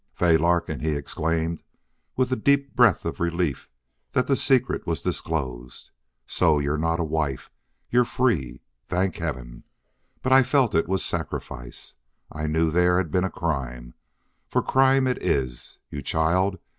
"Fay Larkin!" he exclaimed, with a deep breath of relief that the secret was disclosed. "So you're not a wife!... You're free! Thank Heaven! But I felt it was sacrifice. I knew there had been a crime. For crime it is. You child!